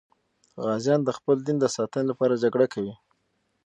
غازیان د خپل دین د ساتنې لپاره جګړه کوي.